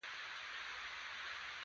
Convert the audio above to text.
د مازیګر پر څلورو بجو غونډه وشوه.